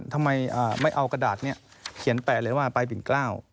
ทำไมไม่เอากระดาษนี้เขียนแปะเลยว่าไปปิ่นเกล้า